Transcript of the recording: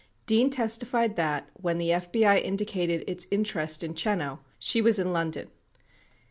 Dean testified that, when the FBI indicated its interest in Chenow, she was in London.